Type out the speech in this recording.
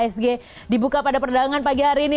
isg dibuka pada perdagangan pagi hari ini